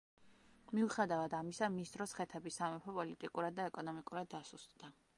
მიუხედავად ამისა მის დროს ხეთების სამეფო პოლიტიკურად და ეკონომიკურად დასუსტდა.